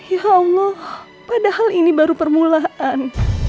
ya allah padahal ini baru permulaan